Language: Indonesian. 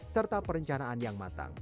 serta perencanaan yang matang